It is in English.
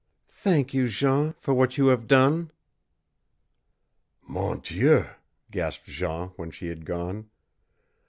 "Thank you, Jean, for what you have done!" "Mon Dieu!" gasped Jean when she had gone.